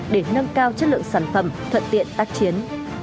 để nâng cao chất lượng sản phẩm thuận tiện tác chiến